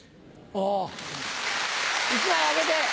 あ１枚あげて。